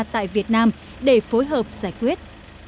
tại việt nam để phối hợp giải quyết